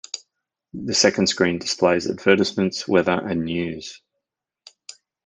The second screen displays advertisements, weather, and news.